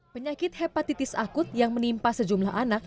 penyakit hepatitis akut yang menimpa sejumlah anak